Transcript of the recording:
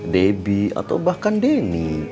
debbie atau bahkan denny